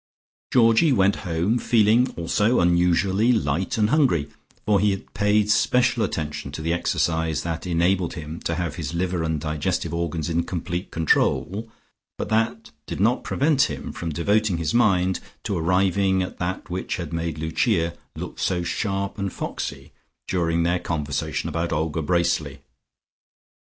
Georgie went home, feeling also unusually light and hungry, for he had paid special attention to the exercise that enabled him to have his liver and digestive organs in complete control, but that did not prevent him from devoting his mind to arriving at that which had made Lucia look so sharp and foxy during their conversation about Olga Bracely.